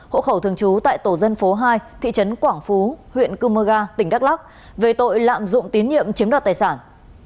hộ khẩu thường trú tại tổ dân phố hai thị trấn quảng phú huyện cư mơ ga tỉnh đắk lắc về tội lạm dụng tín nhiệm chiếm đoạt tài sản